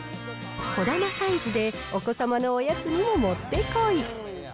小玉サイズでお子様のおやつにも持ってこい。